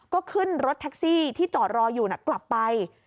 ก็ขึ้นรถแท็กซี่ที่จอดรออยู่กลับไป